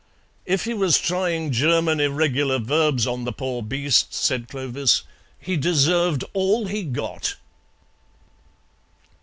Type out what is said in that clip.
"If he was trying German irregular verbs on the poor beast," said Clovis, "he deserved all he got."